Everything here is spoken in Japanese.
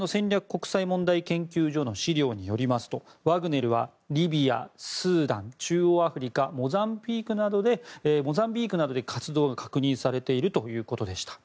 国際問題研究所の資料によりますとワグネルはリビア、スーダン中央アフリカモザンビークなどで活動が確認されているということでした。